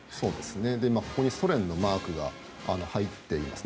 ここにソ連のマークが入っています。